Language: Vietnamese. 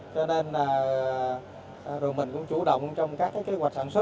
cho nên là đội mình cũng chủ động trong các kế hoạch sản xuất